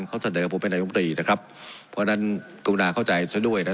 เขาเสนอผมเป็นนายมตรีนะครับเพราะฉะนั้นกรุณาเข้าใจซะด้วยนะ